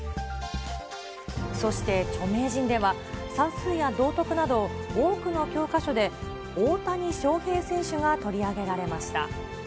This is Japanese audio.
そして著名人では、算数や道徳など、多くの教科書で大谷翔平選手が取り上げられました。